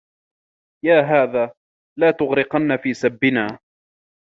يَا هَذَا لَا تُغْرِقَنَّ فِي سَبِّنَا